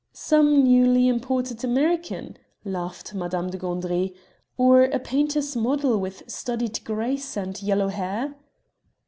"Some newly imported American," laughed Madame de Gandry, "or a painter's model with studied grace and yellow hair?"